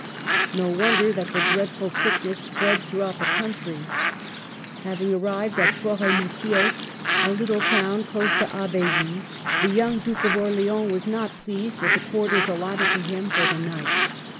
No wonder that the dreadful sickness spread throughout the country. Having arrived at Foret Moutier, a little town close to Abbeville, the young Duke of Orleans was not DOWNFALL. 273 pleased with the quarters allotted to him for the night.